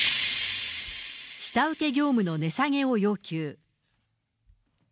下請け業務の値下げを要求。